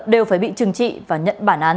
đều phải bị trừng trị và nhận bản án